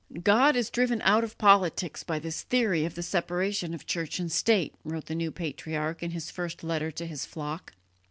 "God is driven out of politics by this theory of the separation of church and state," wrote the new patriarch in his first letter to his flock.